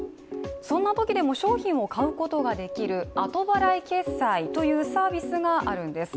そんなときでも商品を買うことができる後払い決済というサービスがあるんです。